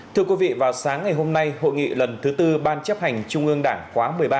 thưa quý vị vào sáng ngày hôm nay hội nghị lần thứ tư ban chấp hành trung ương đảng khóa một mươi ba